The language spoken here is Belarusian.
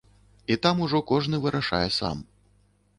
І там ужо кожны вырашае сам.